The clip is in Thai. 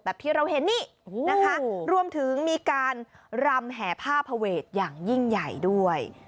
ที่เราเห็นนี่นะคะรวมถึงมีการรำแห่ผ้าผเวทอย่างยิ่งใหญ่ด้วย